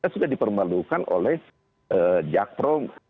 sudah dipermalukan oleh jakro